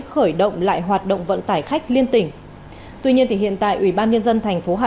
khởi động lại hoạt động vận tải khách liên tỉnh tuy nhiên hiện tại ủy ban nhân dân thành phố hà